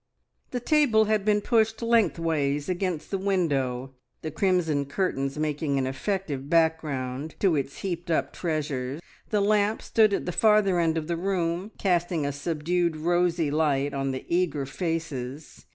The table had been pushed lengthways against the window, the crimson curtains making an effective background to its heaped up treasures. The lamp stood at the farther end of the room, casting a subdued rosy light on the eager faces.